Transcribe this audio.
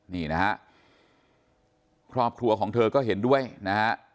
นี่นะครับครอบครัวของเธอก็เห็นด้วยนะครับ